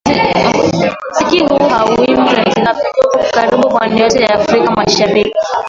Mziki huu hauimbwi zanzibari pekee upo karibu pwani yote ya afrika mashariki